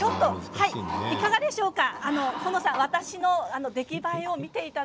いかがでしょうか？